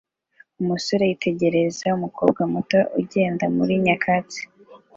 Umusore yitegereza umukobwa muto ugenda muri nyakatsi